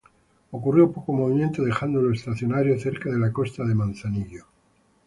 Ocurrió poco movimiento, dejándolo estacionario cerca de la costa de Manzanillo.